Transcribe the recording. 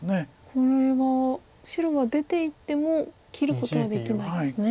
これは白は出ていっても切ることはできないんですね。